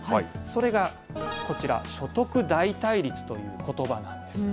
それがこちら、所得代替率ということばなんです。